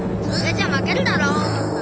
それじゃ負けるだろ！